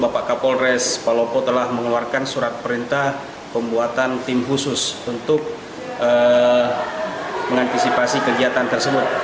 bapak kapolres palopo telah mengeluarkan surat perintah pembuatan tim khusus untuk mengantisipasi kegiatan tersebut